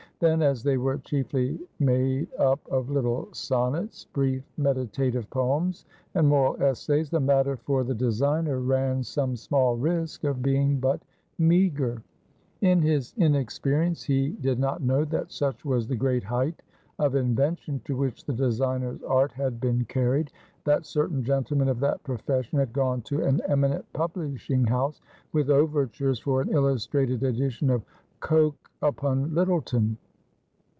Then, as they were chiefly made up of little sonnets, brief meditative poems, and moral essays, the matter for the designer ran some small risk of being but meager. In his inexperience, he did not know that such was the great height of invention to which the designer's art had been carried, that certain gentlemen of that profession had gone to an eminent publishing house with overtures for an illustrated edition of "Coke upon Lyttleton."